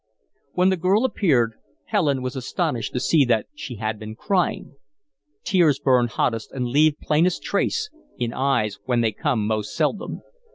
When the girl appeared, Helen was astonished to see that she had been crying. Tears burn hottest and leave plainest trace in eyes where they come most seldom.